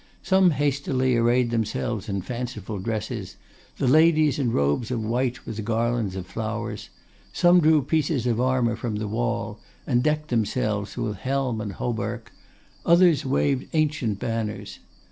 Some hastily arrayed themselves in fanciful dresses, the ladies in robes of white, with garlands of flowers; some drew pieces of armour from the wall, and decked themselves with helm and hauberk; others waved ancient banners.